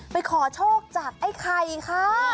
ไปขอโชคจากไอ้ไข่ค่ะ